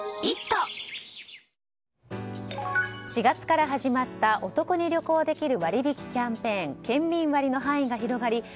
４月から始まったお得に旅行できる割引キャンペーン県民割の範囲が広がり